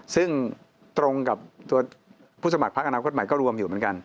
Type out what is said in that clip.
ซึ่งตรงกับตัวผู้สมัครพักอนาคตใหม่ก็รวมอยู่เหมือนกัน